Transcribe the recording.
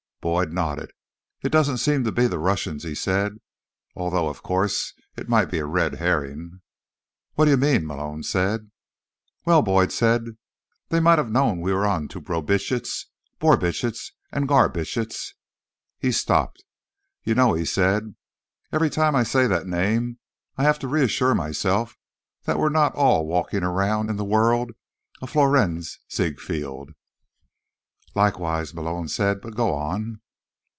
Boyd nodded. "It doesn't seem to be the Russians," he said. "Although, of course, it might be a Red herring." "What do you mean?" Malone said. "Well," Boyd said, "they might have known we were on to Brubitsch, Borbitsch and Garbitsch—" He stopped. "You know," he said, "every time I say that name I have to reassure myself that we're not all walking around in the world of Florenz Ziegfeld." "Likewise," Malone said. "But go on."